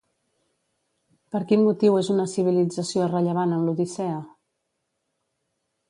Per quin motiu és una civilització rellevant en l'Odissea?